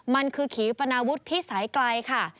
มันคือขีปนาวุฒิพิสัยไกลค่ะ